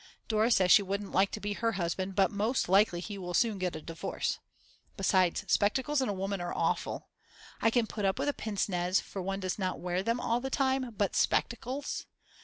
_ Dora says she wouldn't like to be her husband; but most likely he will soon get a divorce. Besides, spectacles in a woman are awful. I can put up with a pincenez for one does not wear them all the time. But spectacles!